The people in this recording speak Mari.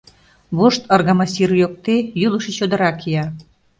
Вошт Аргамасир йокте йӱлышӧ чодыра кия.